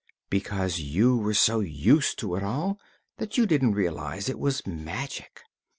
"Because you were so used to it all that you didn't realize it was magic.